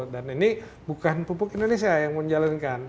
dan ini bukan pupuk indonesia yang menjalankan